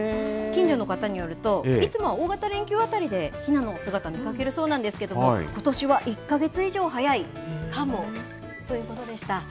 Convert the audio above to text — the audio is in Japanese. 近所の方によると、いつもは大型連休あたりで、ひなの姿見かけるそうなんですけども、ことしは１か月以上早いカモということでした。